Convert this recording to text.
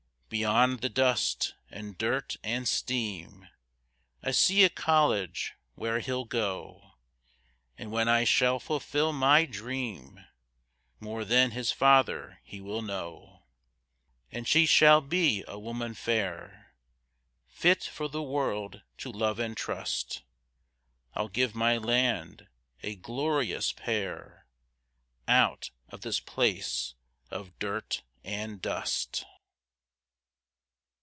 Beyond the dust and dirt and steam I see a college where he'll go; And when I shall fulfill my dream, More than his father he will know; And she shall be a woman fair, Fit for the world to love and trust I'll give my land a glorious pair Out of this place of dirt and dust.